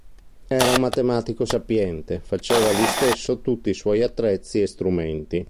Era un matematico sapiente, faceva lui stesso tutti i suoi attrezzi e strumenti.